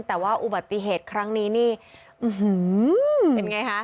แต่ว่าอุบัติเหตุครั้งนี้นี่เป็นไงคะ